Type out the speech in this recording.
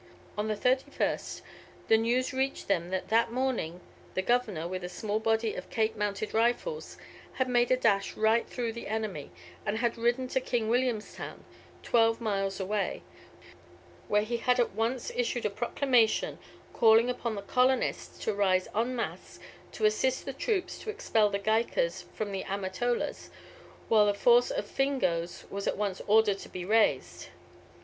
On the 31st, the news reached them that that morning the Governor, with a small body of Cape Mounted Rifles, had made a dash right through the enemy, and had ridden to King Williamstown, twelve miles away, where he had at once issued a proclamation calling upon the colonists to rise en masse to assist the troops to expel the Gaikas from the Amatolas, while a force of Fingoes was at once ordered to be raised.